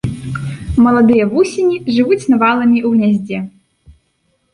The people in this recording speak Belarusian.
Маладыя вусені жывуць наваламі ў гняздзе.